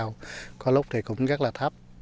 có lúc thì rất là cao có lúc thì cũng rất là thấp